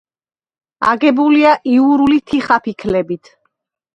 აგებულია იურული თიხაფიქლებით.